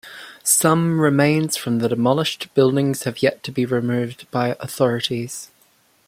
Some remains from the demolished buildings have yet to be removed by authorities.